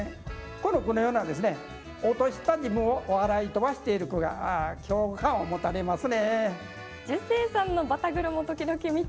この句のようなですね落とした自分を笑い飛ばしている句が共感を持たれますね。